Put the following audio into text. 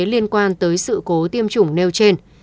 liên quan tới sự cố tiêm chủng nêu trên